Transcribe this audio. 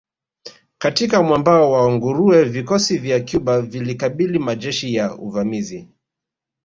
Katika mwambao wa nguruwe vikosi vya Cuba vilikabili majeshi ya uvamizi